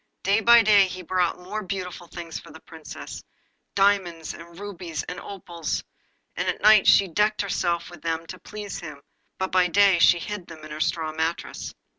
Day by day he brought more beautiful things for the Princess diamonds, and rubies, and opals; and at night she decked herself with them to please him, but by day she hid them in her straw mattress.